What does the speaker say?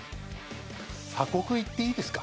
鎖国いっていいですか？